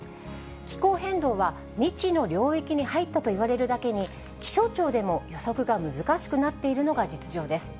気候変動は未知の領域に入ったといわれるだけに、気象庁でも予測が難しくなっているのが実情です。